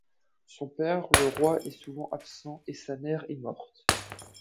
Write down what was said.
Son père, le roi, est souvent absent et sa mère est morte.